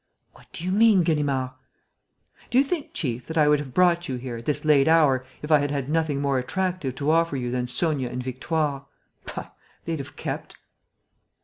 "What do you mean, Ganimard?" "Do you think, chief, that I would have brought you here, at this late hour, if I had had nothing more attractive to offer you than Sonia and Victoire? Pah! They'd have kept!"